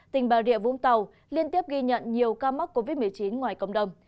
tỉnh bà rịa vũng tàu liên tiếp ghi nhận nhiều ca mắc covid một mươi chín ngoài cộng đồng